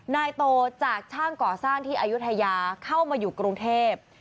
นายโตจากช่างก่อสร้างที่อายุทยาเข้ามาอยู่กรุงเทพ